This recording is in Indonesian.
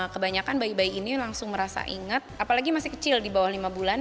kebanyakan bayi bayi ini langsung merasa ingat apalagi masih kecil di bawah lima bulan